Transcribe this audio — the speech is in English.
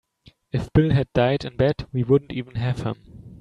If Bill had died in bed we wouldn't even have him.